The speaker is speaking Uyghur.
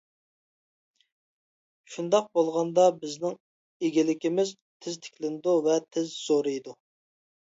شۇنداق بولغاندا، بىزنىڭ ئىگىلىكىمىز تېز تىكلىنىدۇ ۋە تېز زورىيىدۇ.